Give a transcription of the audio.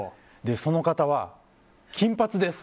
その方は、金髪です。